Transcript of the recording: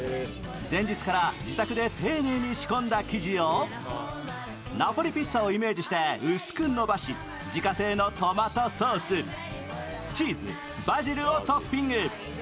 前日から自宅で丁寧に仕込んだ生地を、ナポリピッツァをイメージして薄く伸ばし自家製のトマトソース、チーズ、バジルをトッピング。